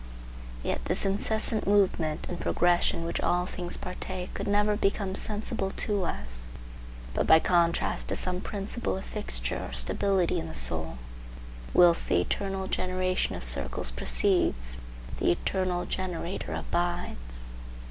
Yet this incessant movement and progression which all things partake could never become sensible to us but by contrast to some principle of fixture or stability in the soul. Whilst the eternal generation of circles proceeds, the eternal generator abides.